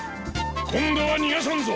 今度は逃がさんぞ